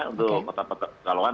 untuk kota pekalongan